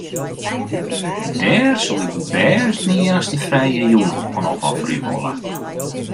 Dêr soe ik bêst myn iennichste frije jûn oan opofferje wolle.